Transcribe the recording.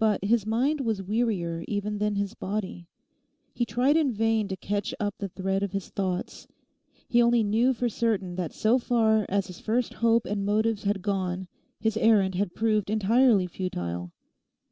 But his mind was wearier even than his body. He tried in vain to catch up the thread of his thoughts. He only knew for certain that so far as his first hope and motives had gone his errand had proved entirely futile.